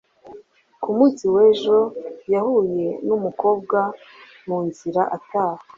ku munsi w'ejo, yahuye n'umukobwa mu nzira ataha